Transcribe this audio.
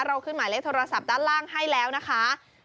ขึ้นหมายเลขโทรศัพท์ด้านล่างให้แล้วนะคะ